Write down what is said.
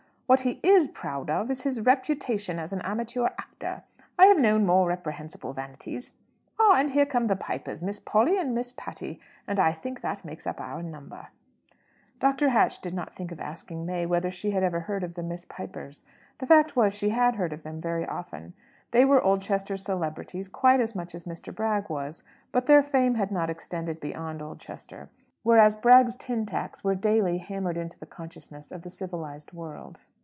What he is proud of is his reputation as an amateur actor. I have known more reprehensible vanities. Ah, and here come the Pipers, Miss Polly and Miss Patty; and I think that makes up our number." Dr. Hatch did not think of asking May whether she had ever heard of the Miss Pipers. The fact was she had heard of them very often. They were Oldchester celebrities quite as much as Mr. Bragg was. But their fame had not extended beyond Oldchester; whereas Bragg's tin tacks were daily hammered into the consciousness of the civilized world.